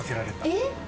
えっ！